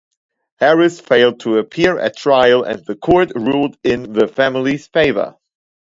Harris failed to appear at trial and the court ruled in the family's favor.